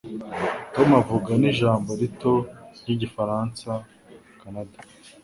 Tom avuga n'ijambo rito ry'igifaransa-Kanada.